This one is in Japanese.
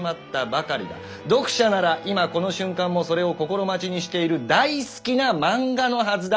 読者なら今この瞬間もそれを心待ちにしている「大好きな漫画」のはずだ。